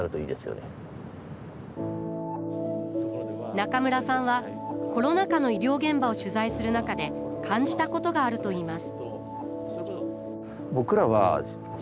中村さんはコロナ禍の医療現場を取材する中で感じたことがあるといいます